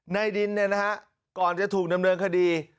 ในดินเนี่ยนะฮะก่อนจะถูกดำเนินคดี